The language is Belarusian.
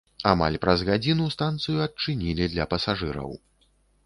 Амаль праз гадзіну станцыю адчынілі для пасажыраў.